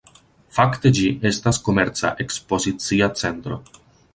Fakte ĝi estas komerca-ekspozicia centro.